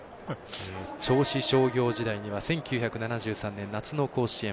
銚子商業時代には１９７３年、夏の甲子園。